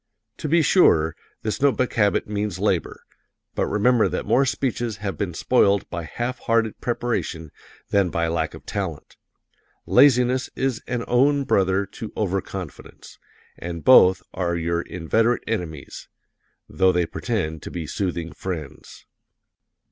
To be sure, this note book habit means labor, but remember that more speeches have been spoiled by half hearted preparation than by lack of talent. Laziness is an own brother to Over confidence, and both are your inveterate enemies, though they pretend to be soothing friends.